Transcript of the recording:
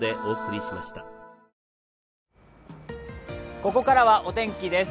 ここからはお天気です。